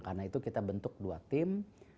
karena itu kita bentuk dua tim